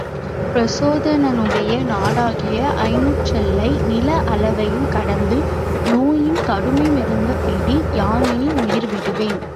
பிரச்சோதனனுடைய நாடாகிய ஐந்நூற்றெல்லை நில அளவையும் கடந்து நோயின் கடுமை மிகுந்த பிடி, யான் இனி உயிர் விடுவேன்.